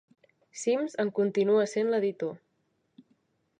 Sims en continua sent l'editor.